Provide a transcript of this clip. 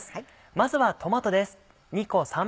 まずはトマトです。